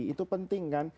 itu penting kan